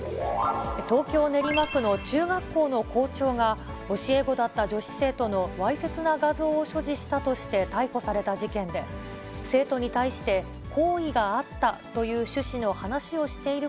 東京・練馬区の中学校の校長が、教え子だった女子生徒のわいせつな画像を所持したとして逮捕された事件で、生徒に対して、好意があったという趣旨の話をしている